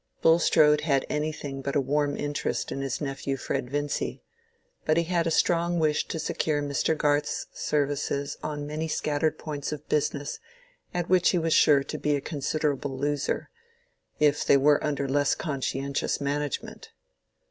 Bulstrode had anything but a warm interest in his nephew Fred Vincy, but he had a strong wish to secure Mr. Garth's services on many scattered points of business at which he was sure to be a considerable loser, if they were under less conscientious management.